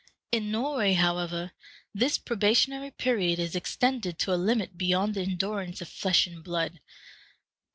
In Norway, however, this probationary period is extended to a limit beyond the endurance of flesh and blood.